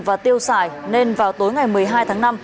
và tiêu xài nên vào tối ngày một mươi hai tháng năm